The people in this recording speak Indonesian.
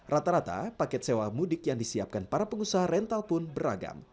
rata rata paket sewa mudik yang disiapkan para pengusaha rental pun beragam